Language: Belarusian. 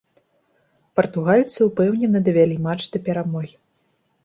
Партугальцы ўпэўнена давялі матч да перамогі.